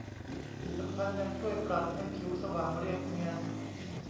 ที่สำคัญยังช่วยปรับให้ผิวสว่างเรียบเนียน